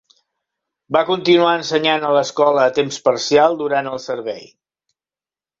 Va continuar ensenyant a l'escola a temps parcial durant el servei.